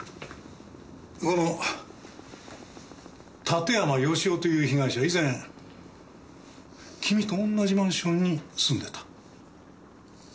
この館山義男という被害者以前君と同じマンションに住んでた。